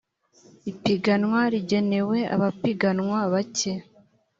ipiganwa rigenewe abapiganwa bake